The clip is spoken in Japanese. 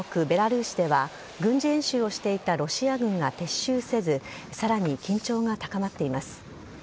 ベラルーシでは、軍事演習をしていたロシア軍が撤収せず、さらに緊張が高まっています。